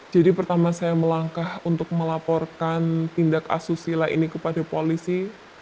jadi pertama saya melangkah untuk melaporkan tindak asusila ini kepada polisi